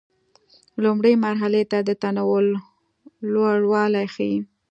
لومړۍ مرحلې د تنوع لوړوالی ښيي.